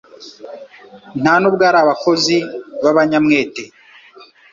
nta nubwo ari abakozi b'abanyamwete